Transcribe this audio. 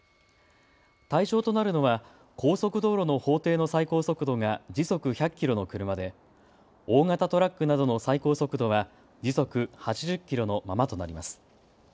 対象となるのは高速道路の法定の最高速度が時速１００キロの車で大型トラックなどの最高速度は時速８０キロのままとなります。